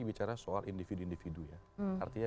bicara soal individu individu ya artinya